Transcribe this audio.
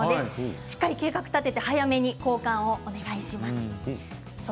しっかり計画を立てて早めに交換をお願いします。